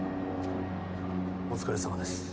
お疲れさまです。